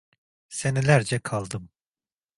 Senelerce kaldım.